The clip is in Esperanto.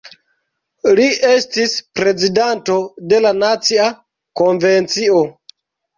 Li estis prezidanto de la Nacia Konvencio.